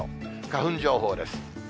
花粉情報です。